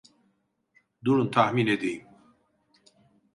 Durun tahmin edeyim.